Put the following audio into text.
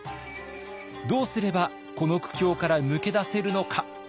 どうすればこの苦境から抜け出せるのか。